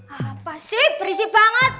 apa sih berisik banget